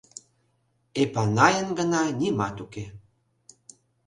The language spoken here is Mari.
Эпанайын гына нимат уке.